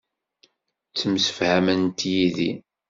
Ttemsefhament yid-i.